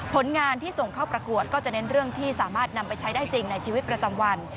ผลงานที่ส่งเข้าประกวดก็จะเน้นเรื่องที่สามารถนำไปใช้ได้จริงในชีวิตประจำวัน